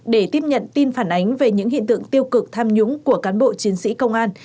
để tiếp nhận tin phản ánh về những hiện tượng tiêu cực tham nhũng của cán bộ chiến sĩ công an